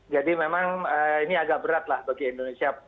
jadi memang ini agak berat lah bagi indonesia